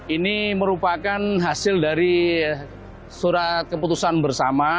ini merupakan hasil dari surat keputusan bersama